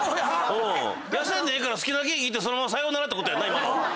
痩せんでええから好きなだけ生きてそのままさようならってことやんな。